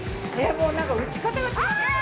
もう何か打ち方が違うあ！